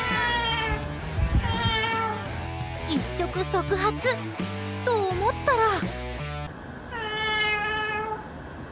一触即発！と、思ったら。